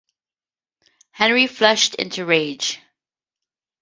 Henry flushed into rage.